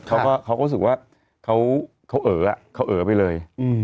เขาก็รู้สึกว่าเขาเอ๋อไปเลย